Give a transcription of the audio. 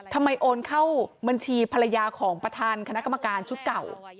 โอนเข้าบัญชีภรรยาของประธานคณะกรรมการชุดเก่า